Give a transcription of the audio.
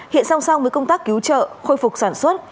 hiện song song với công tác cứu trợ khôi phục sản xuất